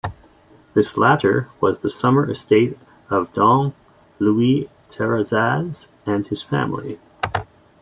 This latter was the summer estate of Don Luis Terrazas and his family.